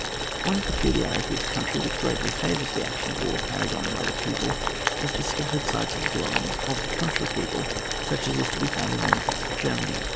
One peculiarity of country which greatly favours the action of war carried on by the people, is the scattered sites of the dwellings of the country people, such as is to be found in many parts of Germany.